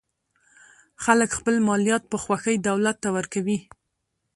خلک خپل مالیات په خوښۍ دولت ته ورکوي.